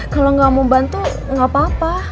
kalau nggak mau bantu gak apa apa